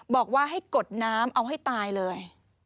บอกว่าให้กดน้ำเอาให้ตายเลย